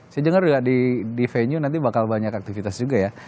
saya dengar juga di venue nanti bakal banyak aktivitas juga ya